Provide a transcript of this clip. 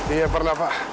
iya pernah pak